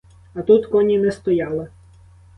А тут коні не стояли.